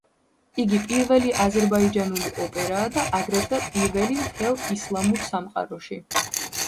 იგი პირველი აზერბაიჯანული ოპერაა და აგრეთვე პირველი მთელ ისლამურ სამყაროში.